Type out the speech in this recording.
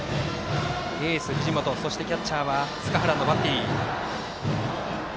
エース、藤本、そしてキャッチャーは塚原のバッテリー。